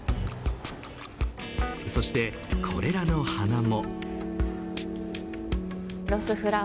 そしてこれらの花も。